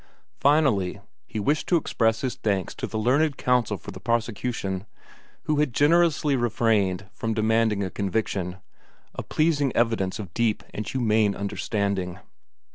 Finally, he wished to express his thanks to the learned counsel for the prosecution, who had generously refrained from demanding a conviction a pleasing evidence of deep and humane understanding.